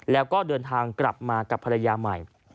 แล้วก็เดินทางกลับมากับภรรยาใหม่